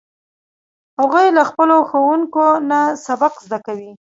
هغوی له خپلو ښوونکو نه سبق زده کوي